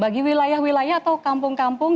bagi wilayah wilayah atau kampung kampung